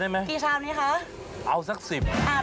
ได้เลยค่ะ